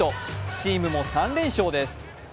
チームも３連勝です。